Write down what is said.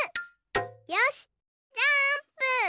よしジャーンプ！